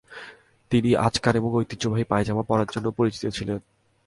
তিনি আচকান এবং ঐতিহ্যবাহী পায়জামা পরার জন্য পরিচিত ছিলেন।